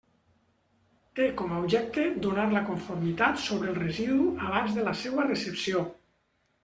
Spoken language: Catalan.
Té com a objecte donar la conformitat sobre el residu abans de la seua recepció.